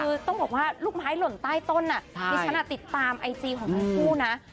คือต้องบอกว่าลูกไม้หล่นใต้ต้นดิฉันติดตามไอจีของทั้งคู่นะ